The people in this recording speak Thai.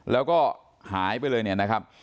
แล้วก็หายไปเลย